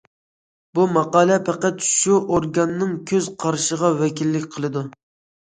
بۇ ماقالە پەقەت شۇ ئورگاننىڭ كۆز قارىشىغا ۋەكىللىك قىلىدۇ.